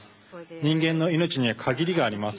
人間の命には限りがあります。